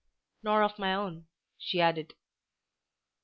"Nor of my own," she added.